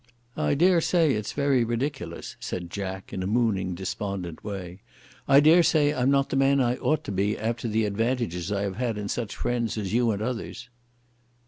"I dare say it's very ridiculous," said Jack, in a mooning despondent way. "I dare say I'm not the man I ought to be after the advantages I have had in such friends as you and others."